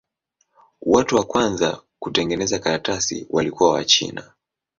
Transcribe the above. Watu wa kwanza kutengeneza karatasi walikuwa Wachina.